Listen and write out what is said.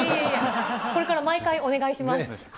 これから毎回お願いします。